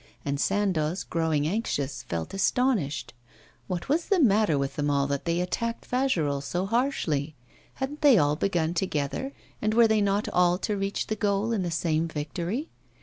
And Sandoz, growing anxious, felt astonished. What was the matter with them all that they attacked Fagerolles so harshly? Hadn't they all begun together, and were they not all to reach the goal in the same victory?